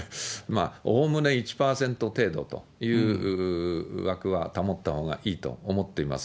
おおむね１％程度という枠は保ったほうがいいと思ってます。